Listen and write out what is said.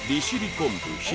昆布